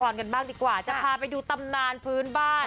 กันบ้างดีกว่าจะพาไปดูตำนานพื้นบ้าน